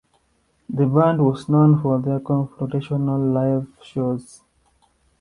The band was known for their confrontational live shows.